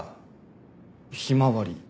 ひまわり？